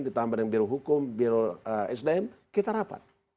ditambah dengan biro hukum biro sdm kita rapat